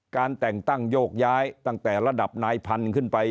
การแต่งตั้งโยกย้ายตั้งแต่ระดับนายพันธุ์ขึ้นไป